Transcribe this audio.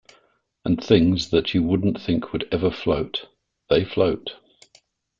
And things that you wouldn't think would ever float, they float.